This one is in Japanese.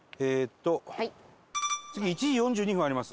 次１時４２分あります。